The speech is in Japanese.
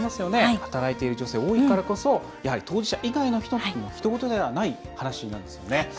働いてる女性、多いからこそ当事者以外の人にもひと事ではない話なんですよね。